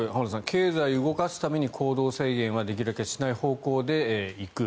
経済を動かすために行動制限はできるだけしない方向でいく。